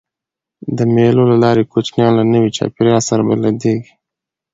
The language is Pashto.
د مېلو له لاري کوچنيان له نوي چاپېریال سره بلديږي.